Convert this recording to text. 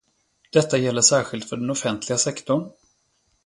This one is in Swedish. Detta gäller särskilt för den offentliga sektorn.